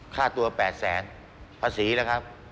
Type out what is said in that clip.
ค่าตัว๘แสนภาษีนะครับ